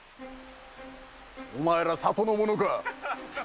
お前ら、里の者か？